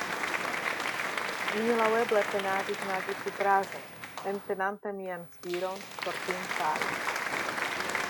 Mi laŭeble penadis naĝi supraĵe, entenante mian spiron, por tiun fari.